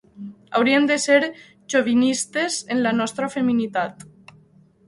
Hauríem de ser xovinistes en la nostra feminitat.